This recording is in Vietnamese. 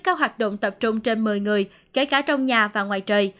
các hoạt động tập trung trên một mươi người kể cả trong nhà và ngoài trời